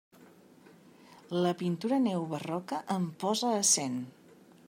La pintura neobarroca em posa a cent.